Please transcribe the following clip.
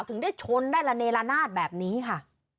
ถึงได้ชนได้ละเนละนาดแบบนี้ค่ะ